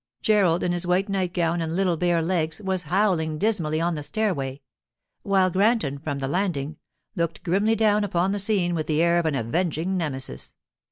Gerald, in his white nightgown and little bare legs, was howling dismally on the stairway; while Granton, from the landing, looked grimly down upon the scene with the air of an avenging Nemesis.